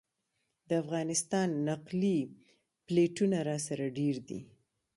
د افغانستان نقلي پلېټونه راسره ډېر دي.